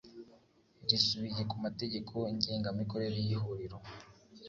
Risubiye ku Mategeko Ngengamikorere y Ihuriro